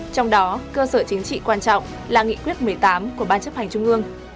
trong đó cơ sở chính trị quan trọng là nghị quyết một mươi tám của ban chấp hành trung ương